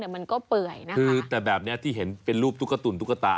มันก็เปื่อยนะคือแต่แบบนี้ที่เห็นเป็นรูปตุ๊กตุ๋นตุ๊กตา